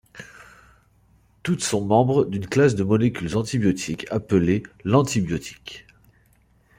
Toutes sont membres d'une classe de molécules antibiotiques appelées lantibiotiques.